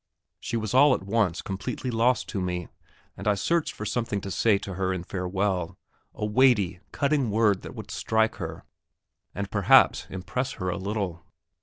She was all at once completely lost to me, and I searched for something to say to her in farewell a weighty, cutting word that would strike her, and perhaps impress her a little.